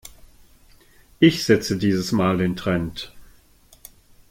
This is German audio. Ich setze dieses Mal den Trend.